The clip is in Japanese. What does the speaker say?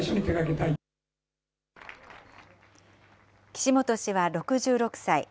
岸本氏は６６歳。